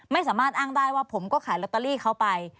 ไม่สามารถอ้างได้ว่าผมก็ขายลอตเตอรี่เขาไป